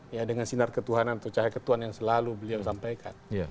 ya dengan sinar ketuhanan atau cahaya ketuhan yang selalu beliau sampaikan